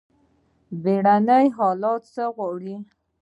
بیړني حالات څه غواړي؟